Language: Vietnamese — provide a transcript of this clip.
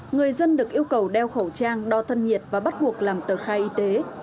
người dân được yêu cầu đeo khẩu trang đo thân nhiệt và bắt buộc làm tờ khai y tế